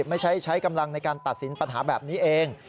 ไม่ใช่ใช้กำลังในการตัดสินปัญหาแบบนี้เอง